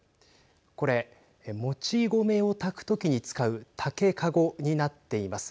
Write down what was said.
これ、もち米を炊くときに使う竹籠になっています。